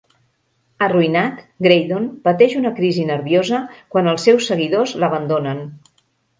Arruïnat, Graydon pateix una crisi nerviosa quan els seus seguidors l'abandonen.